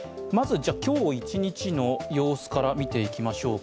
今日一日の様子から見ていきましょうか。